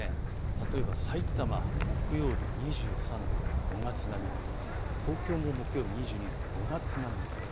例えば、さいたま、木曜日２３度、５月並み、東京も木曜日、２２度、５月並みです。